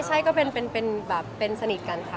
ใช่ก็เป็นสนิทกันค่ะ